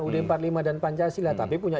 ud empat puluh lima dan pancasila tapi punya